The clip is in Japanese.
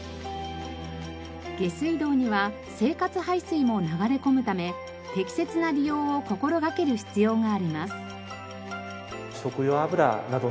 下水道には生活排水も流れ込むため適切な利用を心掛ける必要があります。